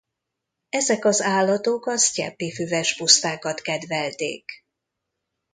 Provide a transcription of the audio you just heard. Ezek az állatok a sztyeppi füves pusztákat kedvelték.